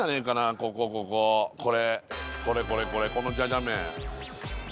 こここここれこれこれこれこのじゃじゃ麺